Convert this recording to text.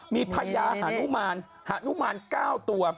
มีพญาหานุมานหานุมาน๙ตัว